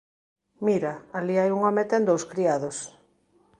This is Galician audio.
Mira, alí hai un home e ten dous criados.